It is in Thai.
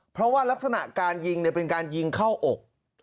เพราะว่ารักษณะการยิงเป็นการยิงเข้าอก